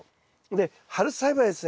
で春栽培はですね